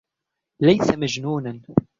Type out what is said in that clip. ليس مجنونا.